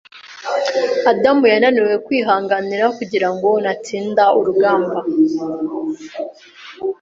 Adamu yananiwe kwihanganira kugira ngo natsinda urugamba,